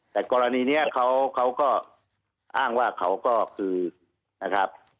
แต่กรณีนี้เขาก็อ้างว่าเขาก็คือนะครับ